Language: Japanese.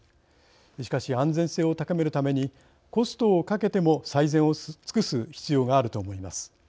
しかし安全性を高めるためにコストをかけても最善を尽くす必要があると思います。